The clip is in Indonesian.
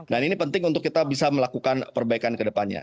dan ini penting untuk kita bisa melakukan perbaikan ke depannya